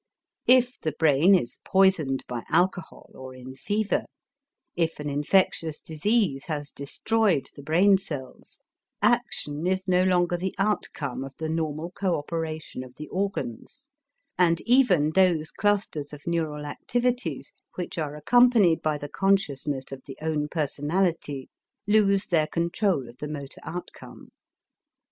If the brain is poisoned by alcohol or in fever, if an infectious disease has destroyed the brain cells, action is no longer the outcome of the normal coöperation of the organs, and even those clusters of neural activities which are accompanied by the consciousness of the own personality lose their control of the motor outcome.